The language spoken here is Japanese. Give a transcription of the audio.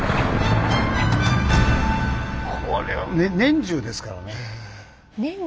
これは年中ですからね。